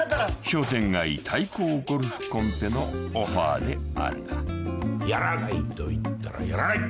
［商店街対抗ゴルフコンペのオファーであるが］やらないといったらやらない！